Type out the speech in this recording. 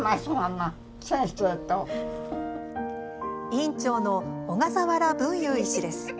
院長の小笠原文雄医師です。